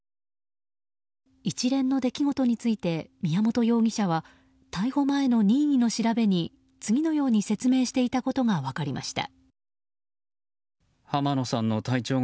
一連の出来事について宮本容疑者は逮捕前の任意の調べに次のように説明していたことが分かりました。